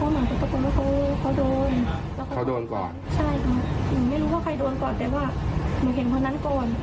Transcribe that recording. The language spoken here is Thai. ไม่ได้คิดว่ามันจะเกิดเรื่องอย่างนั้น